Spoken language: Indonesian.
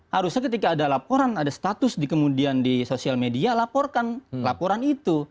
harusnya ketika ada laporan ada status di kemudian di sosial media laporkan laporan itu